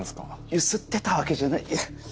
ゆすってたわけじゃないいや。